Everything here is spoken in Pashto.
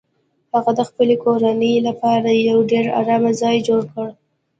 هغه د خپلې کورنۍ لپاره یو ډیر ارام ځای جوړ کړ